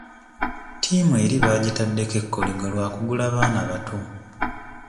Tiimu eri baagitaddeko ekkoligo lwa kugula baana bato.